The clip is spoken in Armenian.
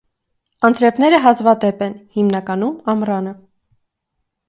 Անձրևները հազվադեպ են, հիմնականում՝ ամռանը։